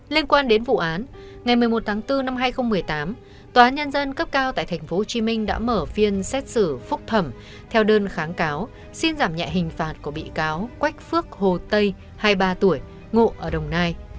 liên quan đến vụ án ngày một mươi một tháng bốn năm hai nghìn một mươi tám tòa nhân dân cấp cao tại tp hcm đã mở phiên xét xử phúc thẩm theo đơn kháng cáo xin giảm nhẹ hình phạt của bị cáo quách phước hồ tây hai mươi ba tuổi ngụ ở đồng nai